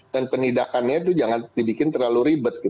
dan penindakannya itu jangan dibikin terlalu ribet